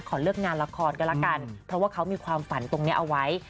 ขอเลือกงานละครก็แล้วกันเพราะว่าเขามีความฝันตรงนี้เอาไว้